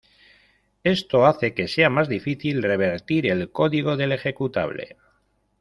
Esto hace que sea más difícil revertir el código del ejecutable.